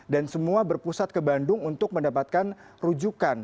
dan semua berpusat ke bandung untuk mendapatkan rujukan